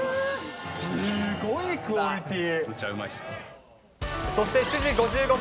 すごいクオリティー。